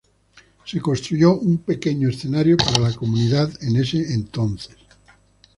Se construyó un pequeño escenario para la comunidad en ese entonces.